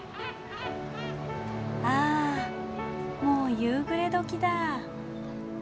あもう夕暮れ時だ。